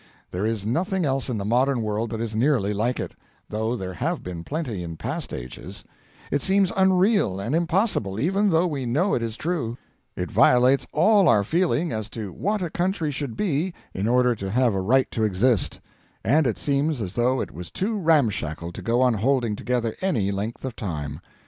There is nothing else in the modern world that is nearly like it, though there have been plenty in past ages; it seems unreal and impossible even though we know it is true; it violates all our feeling as to what a country should be in order to have a right to exist; and it seems as though it was too ramshackle to go on holding together any length of time.